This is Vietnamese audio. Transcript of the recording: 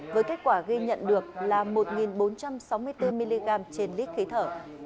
với kết quả ghi nhận được là một bốn trăm sáu mươi bốn mg trên lít khí thở